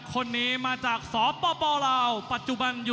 คนนี้มาจากอำเภอพระยักษ์ภูมิพิษัย